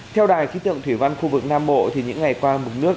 theo đài ký tượng thủy văn khu vực nam mộ thì những ngày qua mực nước